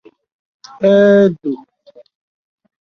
èdò